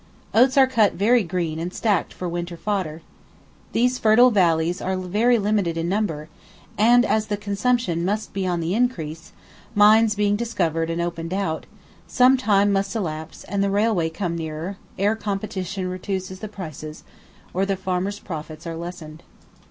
Oats are cut very green and stacked for winter fodder. These fertile valleys are very limited in number, and as the consumption must be on the increase, mines being discovered and opened out, some time must elapse and the railway come nearer, ere competition reduces the prices, or the farmer's profits are lessened.